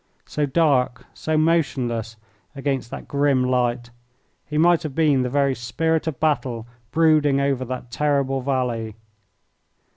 So dark, so motionless, against that grim light, he might have been the very spirit of Battle brooding over that terrible valley.